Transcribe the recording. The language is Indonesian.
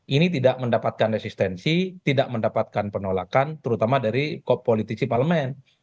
ini tidak mendapatkan resistensi tidak mendapatkan penolakan terutama dari politisi parlemen